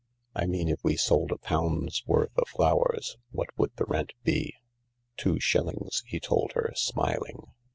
" I mean, if we sold a pound's worth of flowers, what would the rent be?" "Two shillings," he told her, smiling.